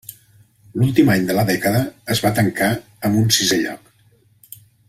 L'últim any de la dècada es va tancar amb un sisè lloc.